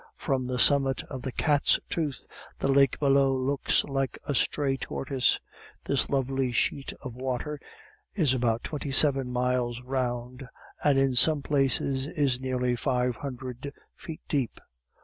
From the summit of the Cat's Tooth the lake below looks like a stray turquoise. This lovely sheet of water is about twenty seven miles round, and in some places is nearly five hundred feet deep.